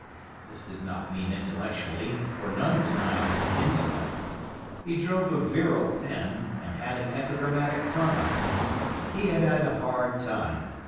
This did not mean intellectually, for none denied his intellect. He drove a virile pen, and had an epigrammatic tongue. He had had a hard time.